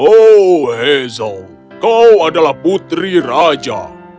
oh ezo kau adalah putri raja